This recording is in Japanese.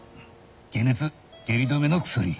解熱・下痢止めの薬。